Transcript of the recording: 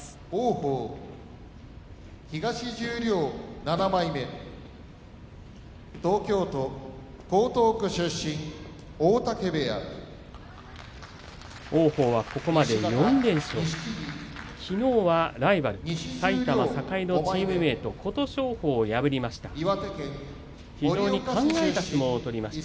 王鵬、ここまで４連勝きのうはライバル埼玉栄のチームメート、琴勝峰を破りました。